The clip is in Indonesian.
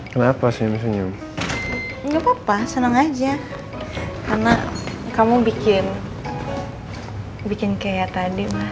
kenapa senyum senyum enggak papa seneng aja karena kamu bikin bikin kayak tadi